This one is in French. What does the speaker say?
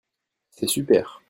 C'est super.